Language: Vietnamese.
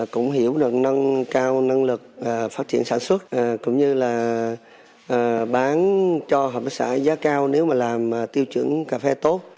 cũng hiểu được năng lực của cây cà phê